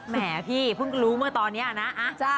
แม่พี่ก็พึ่งรู้เผื่อตอนนี้นะ